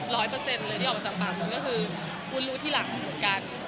เปอร์เซ็นต์เลยที่ออกมาจากปากวุ้นก็คือวุ้นรู้ทีหลังเหมือนกัน